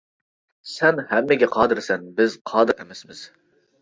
سەن ھەممىگە قادىرسەن، بىز قادىر ئەمەسمىز.